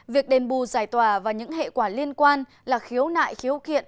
việc đền bù giải tòa và những hệ quả liên quan là khiếu nại khiếu kiện